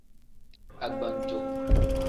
Agbannjo.